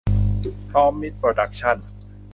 พร้อมมิตรโปรดักชั่น